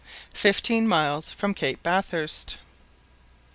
FIFTEEN MILES FROM CAPE BATHURST.